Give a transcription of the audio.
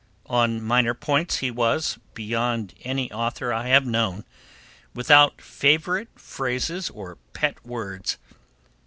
On minor points he was, beyond any author I have known, without favorite phrases or pet words.